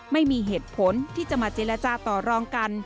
ไม่มีเหตุผลที่จะมาเจรจาต่อรองกัน